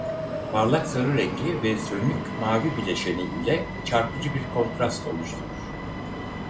Parlak sarı rengi ve sönük mavi bileşeni ile çarpıcı bir kontrast oluşturur.